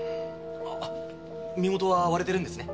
身元は割れてるんですね？